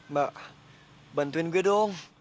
mbak bantuin gue dong